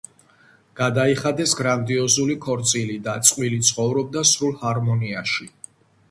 გადაიხადეს გრანდიოზული ქორწილი და წყვილი ცხოვრობდა სრულ ჰარმონიაში.